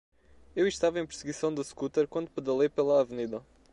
Eu estava em perseguição da scooter quando pedalei pela avenida.